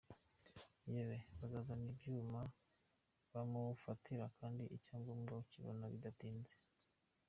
Yewe, bazazana ibyuma bamugufatire kandi icyangombwa ukibone bidatinze.